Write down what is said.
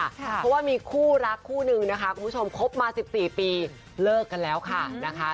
เพราะว่ามีคู่รักคู่นึงนะคะคุณผู้ชมคบมา๑๔ปีเลิกกันแล้วค่ะนะคะ